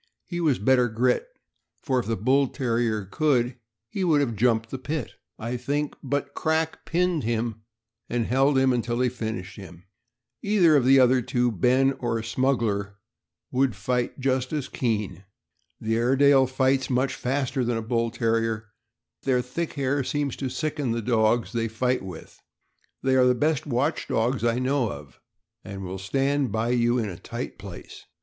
He was better grit, for if the Bull Terrier could, he would have jumped the pit, I think; but Crack pinned him and held him until he finished him. Either of the other two, Ben or Smuggler, would fight just as keen. The Airedale fights much faster than the Bull Terrier, and their thick hair seems to sicken the dogs they fight with. They are the best watch dogs I know of, and will stand by you in a tight place.